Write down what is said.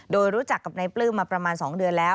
โดยรู้จักกับนายปลื้มมาประมาณ๒เดือนแล้ว